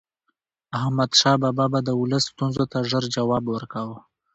احمد شاه بابا به د ولس ستونزو ته ژر جواب ورکاوه.